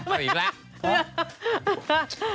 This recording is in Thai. มาอีกแล้ว